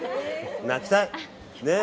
泣きたい。